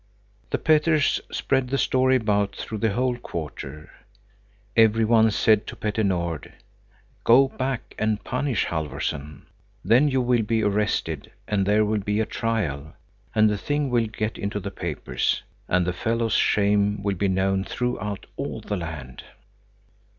The Petters spread the story about through the whole quarter. Every one said to Petter Nord: "Go back and punish Halfvorson, then you will be arrested, and there will be a trial, and the thing will get into the papers, and the fellow's shame will be known throughout all the land."